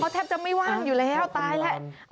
แทบจะไม่ว่างอยู่แล้วตายแล้ว